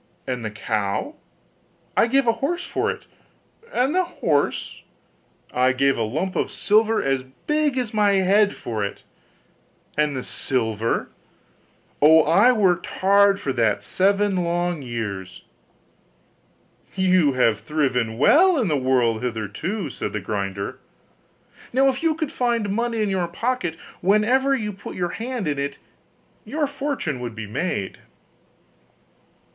'And the cow?' 'I gave a horse for it.' 'And the horse?' 'I gave a lump of silver as big as my head for it.' 'And the silver?' 'Oh! I worked hard for that seven long years.' 'You have thriven well in the world hitherto,' said the grinder, 'now if you could find money in your pocket whenever you put your hand in it, your fortune would be made.